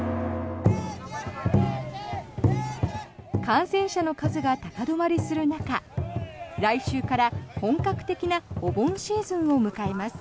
感染者の数が高止まりする中来週から、本格的なお盆シーズンを迎えます。